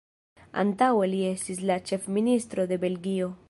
Antaŭe li estis la ĉefministro de Belgio.